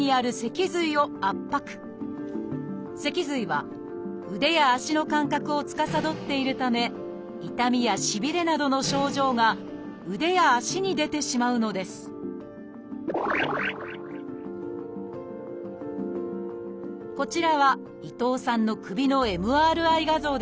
脊髄は腕や足の感覚をつかさどっているため痛みやしびれなどの症状が腕や足に出てしまうのですこちらは伊藤さんの首のＭＲＩ画像です。